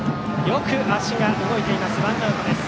よく足が動いています。